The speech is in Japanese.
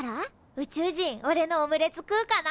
宇宙人おれのオムレツ食うかな？